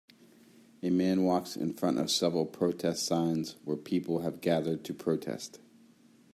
A man walks in front of several protest signs where people have gathered to protest.